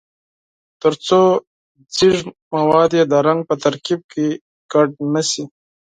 ترڅو ځیږ مواد یې د رنګ په ترکیب کې شامل نه شي.